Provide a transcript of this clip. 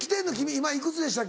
今いくつでしたっけ？